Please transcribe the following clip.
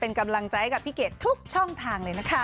เป็นกำลังใจให้กับพี่เกดทุกช่องทางเลยนะคะ